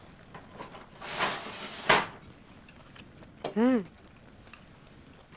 うん。